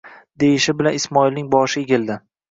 deyishi bilan Ismoilning boshi egildi: